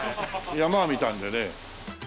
山は見たんでね。